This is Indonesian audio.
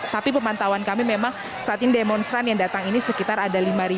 tapi pemantauan kami memang saat ini demonstran yang datang ini sekitar ada lima